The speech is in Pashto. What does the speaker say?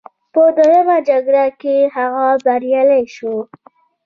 په دویمه جګړه کې هغه بریالی شو.